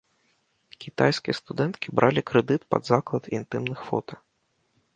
Кітайскія студэнткі бралі крэдыт пад заклад інтымных фота.